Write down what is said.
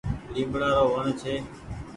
ليبڙآ رو وڻ ڇي۔